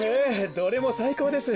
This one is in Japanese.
どれもさいこうです。